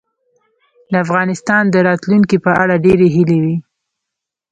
د افغانستان د راتلونکې په اړه ډېرې هیلې وې.